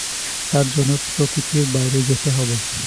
তার জন্য প্রকৃতির বাইরে যেতে হবে।